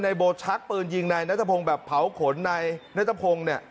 โบชักปืนยิงนายนัทพงศ์แบบเผาขนนายนัทพงศ์เนี่ย